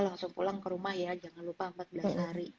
langsung pulang ke rumah ya jangan lupa empat belas hari